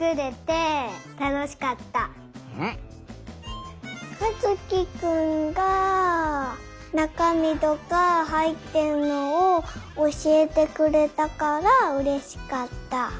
かずきくんがなかみとかはいってるのをおしえてくれたからうれしかった。